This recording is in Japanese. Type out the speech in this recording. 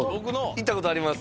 行ったことあります